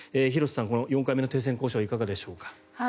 廣瀬さん、この４回目の停戦交渉いかがでしょうか。